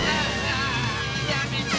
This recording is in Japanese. やめて！